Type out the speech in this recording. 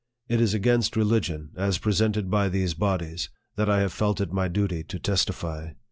It is against religion, as presented by these bodies, that I have felt it my duty to testify.